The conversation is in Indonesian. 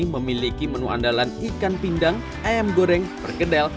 memiliki menu andalan ikan pindang ayam goreng pergedel